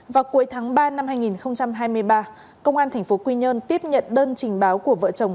vào cuối tháng ba năm hai nghìn hai mươi ba công an tp quy nhơn tiếp nhận đơn trình báo của vợ chồng